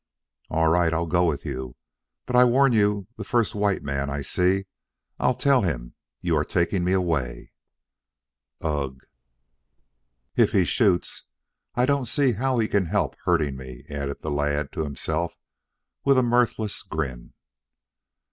"All right, I'll go with you. But I warn you the first white man I see, I'll tell him you are taking me away." "Ugh!" "If he shoots, I don't see how he can help hurting me," added the lad to himself, with a mirthless grin.